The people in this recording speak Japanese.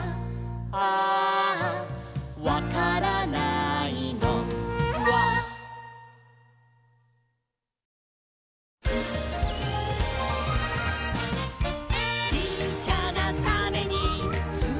「アーアわからないのフワ」「ちっちゃなタネにつまってるんだ」